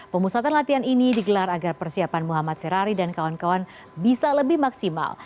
pemusatan latihan ini digelar agar persiapan muhammad ferrari dan kawan kawan bisa lebih maksimal